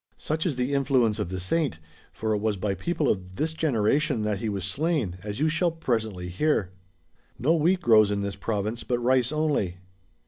Such is the influence of the Saint ; for it was by people of this generation that he was slain, as you shall presently hear." No wheat grows in this province, but rice only.